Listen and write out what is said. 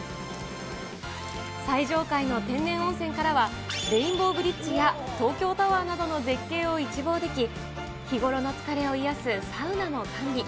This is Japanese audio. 最上階の天然温泉からはレインボーブリッジや東京タワーなどの絶景を一望でき、日頃の疲れを癒やすサウナも完備。